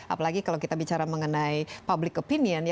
apalagi kalau kita bicara mengenai public opinion